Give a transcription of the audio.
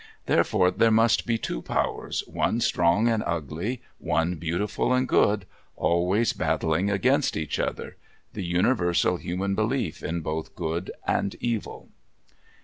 Therefore there must be two Powers, one strong and ugly, one beautiful and good, always battling against each other—the universal human belief in both good and evil.